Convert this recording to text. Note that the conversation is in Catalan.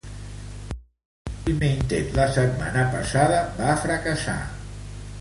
El seu primer intent, la setmana passada, va fracassar.